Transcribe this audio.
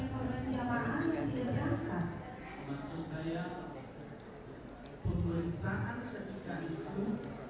kemudian ketika selesai menjalani pekerjaan